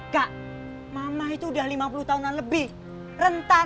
kak mamah itu udah lima puluh tahunan lebih rentan